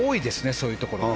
そういうところは。